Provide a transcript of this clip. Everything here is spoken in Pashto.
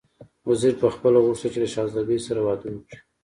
وزیر پخپله غوښتل چې له شهزادګۍ سره واده وکړي.